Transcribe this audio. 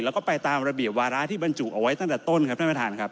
แล้วก็ไปตามระเบียบวาระที่บรรจุเอาไว้ตั้งแต่ต้นครับท่านประธานครับ